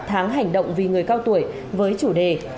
tháng hành động vì người cao tuổi với chủ đề